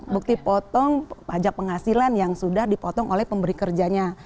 bukti potong pajak penghasilan yang sudah dipotong oleh pemberi kerjanya